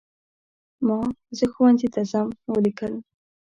ما "زه ښوونځي ته ځم" ولیکل.